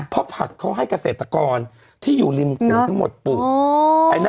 เพราะผักเขาให้เกษตรกรที่อยู่ริมขืนทั้งหมดปลูก